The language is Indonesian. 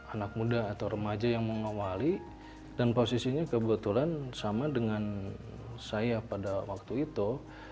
anak muda atau remaja yang mengawali dan posisinya kebetulan sama dengan saya pada waktu itu